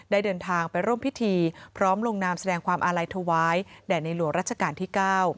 เดินทางไปร่วมพิธีพร้อมลงนามแสดงความอาลัยถวายแด่ในหลวงรัชกาลที่๙